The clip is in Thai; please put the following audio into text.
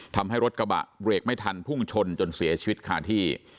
ทำให้รถกระบะเบรกไม่ทันพุ่งชนจนเสียชีวิตคาที่